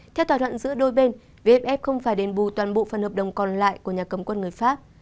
theo tòa đoạn giữa đôi bên vff không phải đền bù toàn bộ phần hợp đồng còn lại của nhà cấm quân người pháp